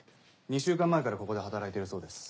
２週間前からここで働いてるそうです。